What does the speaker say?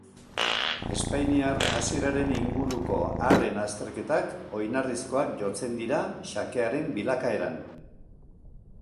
Espainiar hasieraren inguruko haren azterketak oinarrizkoak jotzen dira xakearen bilakaeran.